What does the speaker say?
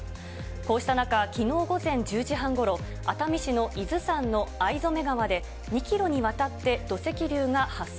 こうした中、きのう午前１０時半ごろ、熱海市の伊豆山の逢初川で、２キロにわたって土石流が発生。